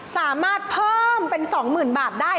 สามารถเพิ่มเป็น๒๐๐๐บาทได้